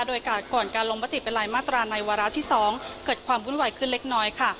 โดยก่อนการลงมติเป็นรายมาตราในวาระที่๒เกิดความวุ่นวายขึ้นเล็กน้อยค่ะ